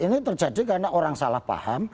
ini terjadi karena orang salah paham